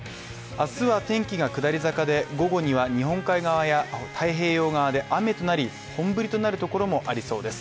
明日は天気が下り坂で、午後には日本海側や太平洋側で雨となり本降りとなるところもありそうです。